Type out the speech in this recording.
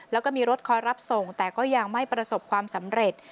แล้วก็มีรถคอยรับส่งแต่ก็ยังไม่ประสบความสำเร็จ